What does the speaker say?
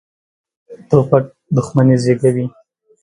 توپک دښمني زېږوي.